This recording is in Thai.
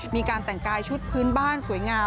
มีการแต่งกายชุดพื้นบ้านสวยงาม